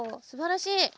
すばらしい。